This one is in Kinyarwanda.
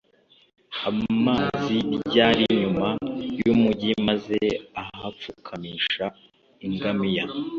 amazi ryari inyuma y umugi maze ahapfukamisha ingamiya